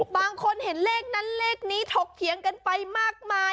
บางคนเห็นเลขนั้นเลขนี้ถกเถียงกันไปมากมาย